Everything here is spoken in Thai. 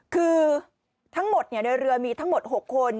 คือทั้งหมดในเรือมีทั้งหมด๖คน